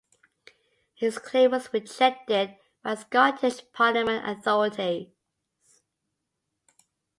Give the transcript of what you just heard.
His claim was rejected by the Scottish Parliament authorities.